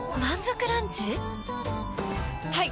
はい！